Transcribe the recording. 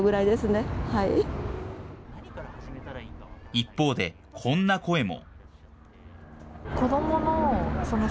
一方で、こんな声も。